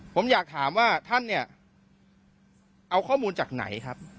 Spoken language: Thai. ผมอยากถามว่าท่านเนี่ยเอาข้อมูลจากไหนครับ